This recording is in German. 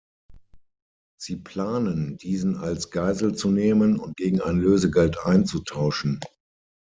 Sie planen diesen als Geisel zu nehmen und gegen ein Lösegeld einzutauschen.